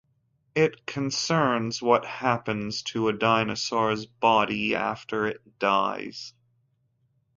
It concerns what happens to a dinosaur's body after it dies.